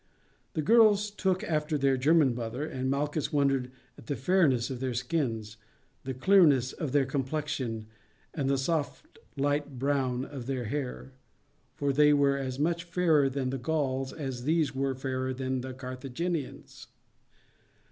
The girls took after their German mother, and Malchus wondered at the fairness of their skins, the clearness of their complexion, and the soft light brown of their hair, for they were as much fairer than the Gauls as these were fairer than the Carthaginians.